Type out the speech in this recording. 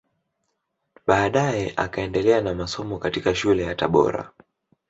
Baadae akaendelea na masomo katika shule ya Tabora